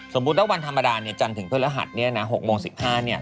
สมมุติว่าวันธรรมดาจันทร์ถึงเทอร์รหัส๖โมง๑๕เนี่ย